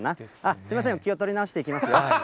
すみません、気を取り直していきますよ。